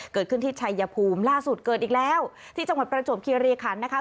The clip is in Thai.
เกิดขึ้นที่ชัยภูมิล่าสุดเกิดอีกแล้วที่จังหวัดประจวบคิริคันนะคะ